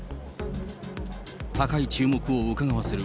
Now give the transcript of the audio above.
高い注目をうかがわせる